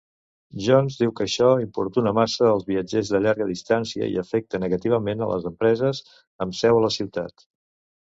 Jones diu que això importuna massa als viatgers de llarga distància i afecta negativament a les empreses amb seu a la ciutat.